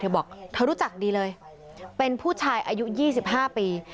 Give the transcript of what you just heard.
เธอบอกเธอรู้จักดีเลยเป็นผู้ชายอายุยี่สิบห้าปี